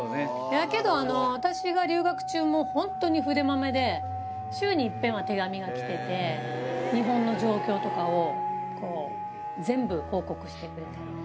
だけど、私が留学中も、本当に筆まめで、週にいっぺんは手紙が来てて、日本の状況とかを全部報告してくれて。